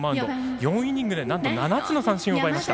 ４イニングで、なんと７つの三振を奪いました。